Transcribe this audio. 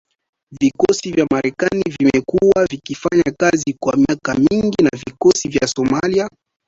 Vikosi vya Marekani vimekuwa vikifanya kazi kwa miaka mingi na vikosi vya Somalia katika juhudi zao za kuwadhibiti al-Shabaab ilielezewa.